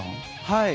はい。